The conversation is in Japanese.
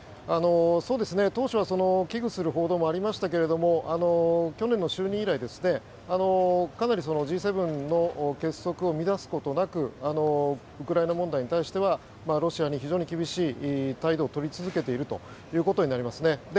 当初は危惧する報道もありましたが去年の就任以来かなりＧ７の結束を乱すことなくウクライナ問題に対してはロシアに非常に厳しい態度を取り続けているということになりますね。